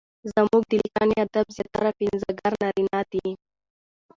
زموږ د ليکني ادب زياتره پنځګر نارينه دي؛